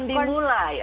film akan dimulai